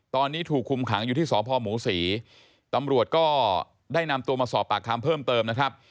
ตอนนี้ถูกคุมขังอยู่ที่สพหมูศรีตำรวจก็ได้นำตัวมาสอบปากคำเพิ่มเติมนะครับ